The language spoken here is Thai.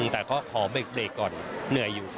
แต่ก็ขอเบรกก่อนเหนื่อยอยู่